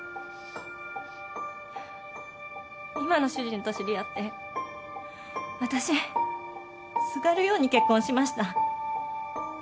今の主人と知り合って私すがるように結婚しました。